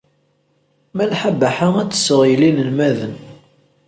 Malḥa Baḥa ad tesseɣyel inelmaden.